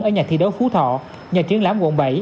ở nhà thi đấu phú thọ nhà triển lãm quận bảy